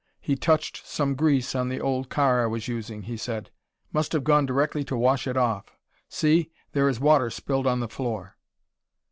"He touched some grease on the old car I was using," he said. "Must have gone directly to wash it off. See there is water spilled on the floor."